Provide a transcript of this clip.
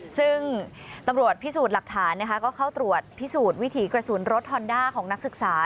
ซึ่งตำรวจพิสูจน์หลักฐานนะคะก็เข้าตรวจพิสูจน์วิถีกระสุนรถฮอนด้าของนักศึกษา